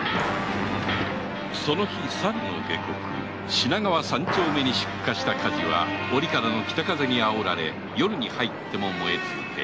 品川三丁目に出火した火事は折からの北風にあおられて夜に入っても燃え続け